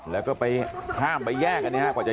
แล้วไปห้ามไปแยกก่อนจะ